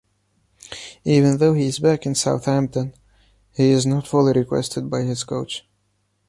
Even though he is back in Southampton, he is not fully requested by his coach.